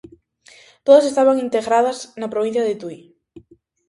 Todas estaban integradas na provincia de Tui.